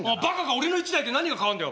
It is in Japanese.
俺の１台で何が変わんだよ。